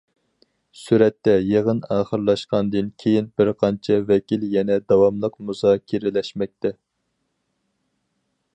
سۈرەتتە، يىغىن ئاخىرلاشقاندىن كېيىن، بىر قانچە ۋەكىل يەنە داۋاملىق مۇزاكىرىلەشمەكتە.